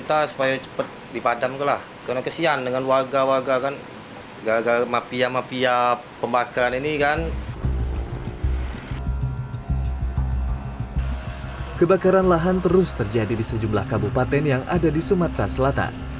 kebakaran lahan terus terjadi di sejumlah kabupaten yang ada di sumatera selatan